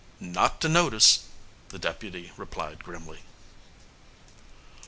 "Not to notice!" the deputy replied grimly.